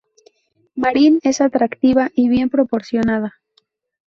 Marin es atractiva y bien proporcionada.